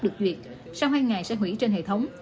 được duyệt sau hai ngày sẽ hủy trên hệ thống